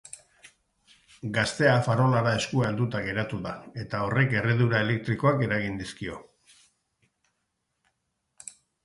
Gaztea farolara eskua helduta geratu da, eta horrek erredura elektrikoak eragin dizkio.